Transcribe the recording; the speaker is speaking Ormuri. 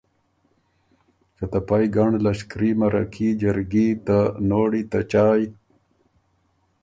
که ته پئ ګنړ لشکري مرکي جرګي ته نوړی ته چایٛ